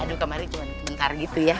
aduh kamarnya cuma dikitar gitu ya